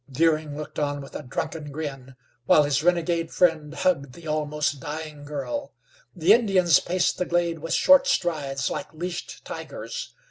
Deering looked on with a drunken grin, while his renegade friend hugged the almost dying girl. The Indians paced the glade with short strides like leashed tigers.